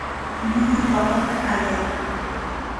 Llullu papata allay.